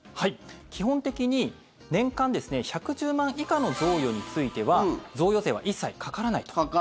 基本的に年間１１０万以下の贈与についてはかからない。